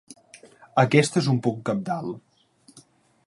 Aquest és un punt cabdal.